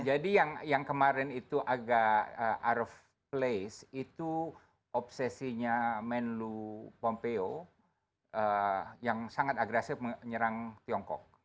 jadi yang kemarin itu agak out of place itu obsesinya man lu pompeo yang sangat agresif menyerang tiongkok